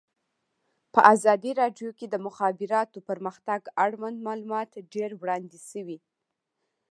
په ازادي راډیو کې د د مخابراتو پرمختګ اړوند معلومات ډېر وړاندې شوي.